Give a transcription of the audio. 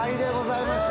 きました。